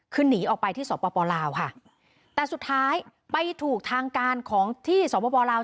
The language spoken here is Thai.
คือหนีออกไปที่สปลาวค่ะแต่สุดท้ายไปถูกทางการของที่สวบปลาว